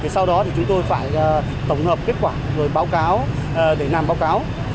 sau đó chúng tôi phải tổng hợp kết quả để làm báo cáo